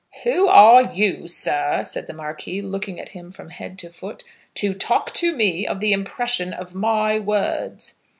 "Who are you, sir," said the Marquis, looking at him from head to foot, "to talk to me of the impression of my words?"